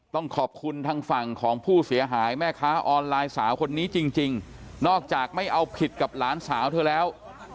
ต้องขอบคุณทางฝั่งของผู้เสียหายแม่ค้าออนไลน์สาวคนนี้จริงนอกจากไม่เอาผิดกับหลานสาวเธอแล้ว